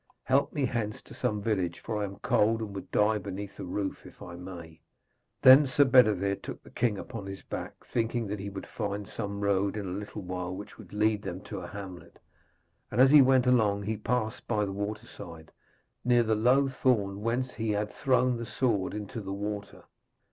Help me hence to some village, for I am cold and would die beneath a roof, if I may.' Then Sir Bedevere took the king upon his back, thinking that he would find some road in a little while which should lead them to a hamlet. And as he went along, he passed by the waterside, near the low thorn whence he had thrown the sword into the water.